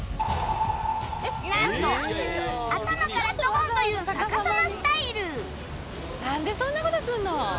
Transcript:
なんと頭からドボンという逆さまスタイルなんでそんな事するの！